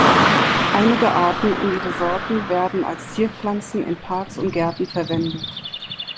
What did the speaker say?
Einige Arten und ihre Sorten werden als Zierpflanzen in Parks und Gärten verwendet.